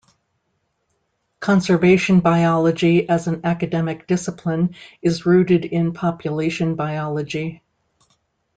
Conservation biology as an academic discipline is rooted in population biology.